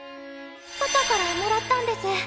パパからもらったんです。